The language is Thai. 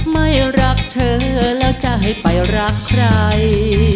ไม่รักเธอแล้วจะให้ไปรักใคร